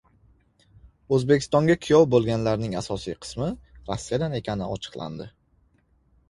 O‘zbekistonga kuyov bo‘lganlarning asosiy qismi Rossiyadan ekani ochiqlandi